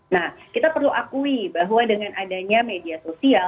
nah kita perlu akui bahwa dengan adanya media sosial